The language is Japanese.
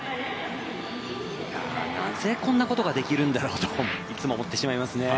なぜこんなことができるんだろうといつも思ってしまいますね。